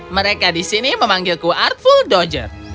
mereka di sini memanggilku artful doger